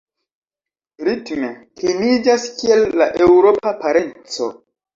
Ritme kliniĝas kiel la eŭropa parenco.